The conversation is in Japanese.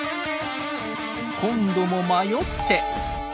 今度も迷って。